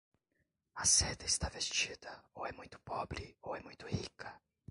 A seda está vestida, ou é muito pobre ou é muito rica.